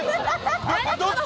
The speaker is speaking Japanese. どっち？